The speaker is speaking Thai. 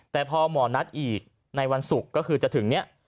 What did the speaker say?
แต่พอหมอนัดอีกในวันศุกร์ก็คือจะถึงเนี่ย